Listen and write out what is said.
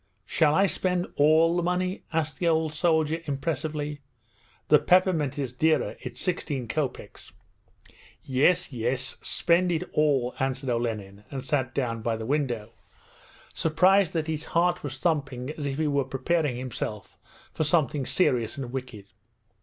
'Shall I spend all the money,' asked the old soldier impressively. 'The peppermint is dearer. It's sixteen kopeks.' 'Yes, yes, spend it all,' answered Olenin and sat down by the window, surprised that his heart was thumping as if he were preparing himself for something serious and wicked.